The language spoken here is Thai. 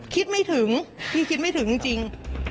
คิดไม่ถึงพี่คิดไม่ถึงจริง